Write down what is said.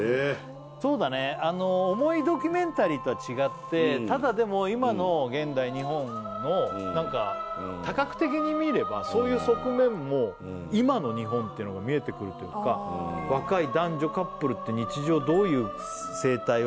そうだね重いドキュメンタリーとは違ってただでも今の現代日本の多角的に見ればそういう側面も今の日本っていうのが見えてくるというか若い男女カップルって日常どういう生態をしてるのかとか。